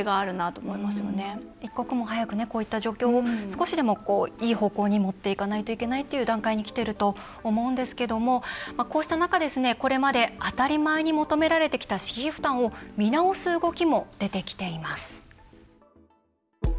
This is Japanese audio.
一刻も早くこういった状況を少しでも、いい方向に持っていかないといけないという段階にきてると思うんですけどもこうした中、これまで当たり前に求められてきた私費負担を見直す動きも出てきています。